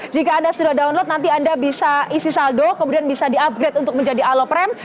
jika anda sudah download nanti anda bisa isi saldo kemudian bisa di upgrade untuk menjadi alopreme